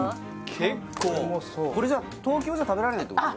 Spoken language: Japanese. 結構東京じゃ食べられないってこと？